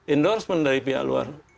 endorsement dari pihak luar